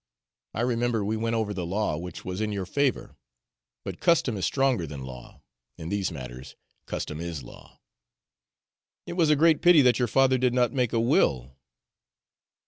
I remember we went over the law, which was in your favor; but custom is stronger than law in these matters custom IS law. It was a great pity that your father did not make a will.